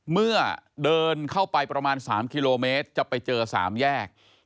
เมื่อเดินเข้าไปประมาณ๓กิโลเมตรจะไปเจอ๓แยก